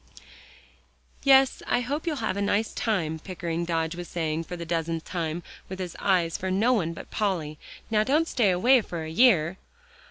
"Yes, I hope you'll have a nice time," Pickering Dodge was saying for the dozenth time, with eyes for no one but Polly, "now don't stay away for a year."